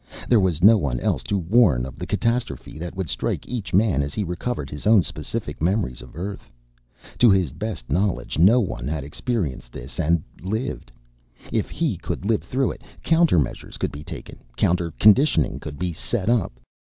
There was no one else to warn of the catastrophe that would strike each man as he recovered his own specific memories of Earth. To his best knowledge, no one had experienced this and lived. If he could live through it, countermeasures could be taken, counterconditioning could be set up.